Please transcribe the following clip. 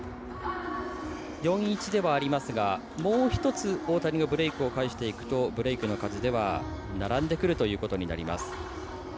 ４−１ではありますがもう１つ、大谷がブレークを返していくとブレークの数では並んでくるということになります。